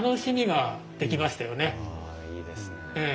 ああいいですね。